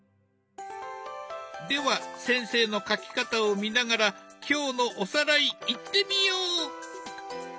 では先生の描き方を見ながら今日のおさらいいってみよう！